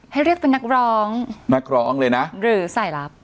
ให้เรียกเป็นนักร้องนักร้องเลยนะหรือสายลับ